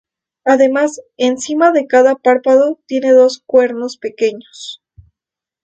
Además encima de cada párpado tiene dos "cuernos" pequeños.